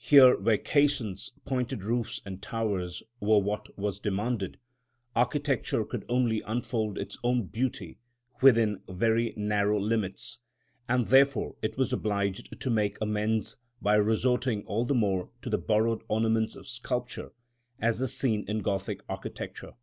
Here, when caissons, pointed roofs and towers were what was demanded, architecture could only unfold its own beauty within very narrow limits, and therefore it was obliged to make amends by resorting all the more to the borrowed ornaments of sculpture, as is seen in Gothic architecture.